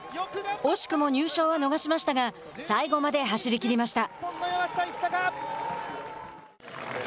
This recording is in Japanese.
惜しくも入賞は逃しましたが最後まで走りきりました。